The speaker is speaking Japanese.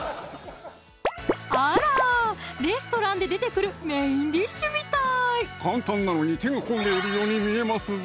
あらーレストランで出てくるメインディッシュみたい簡単なのに手が込んでいるように見えますぞ